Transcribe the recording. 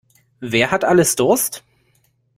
Wer hat alles Durst?